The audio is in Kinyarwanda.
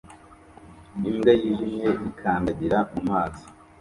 Imbwa yijimye ikandagira mumazi